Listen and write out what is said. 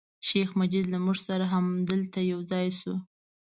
شیخ مجید له موږ سره همدلته یو ځای شو.